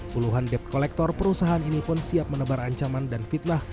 puluhan debt collector perusahaan ini pun siap menebar ancaman dan fitnah